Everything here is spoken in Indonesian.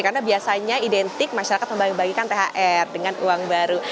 karena biasanya identik masyarakat membagikan thr dengan uang baru